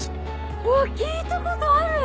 うわっ聞いたことある！